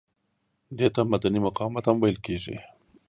دې ته مدني مقاومت هم ویل کیږي.